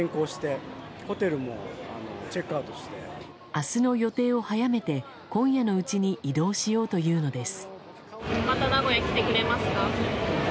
明日の予定を早めて今夜のうちに移動しようというのです。